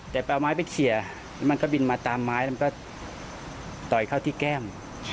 แต่ไปเอาไม้ไปเฉียมันก็บินมาตามไม้มันก็ต่อยเข้าที่แก้ม